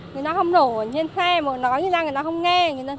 người ta không đổ ở trên xe mà nói người ta người ta không nghe